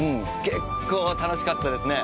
結構楽しかったですね。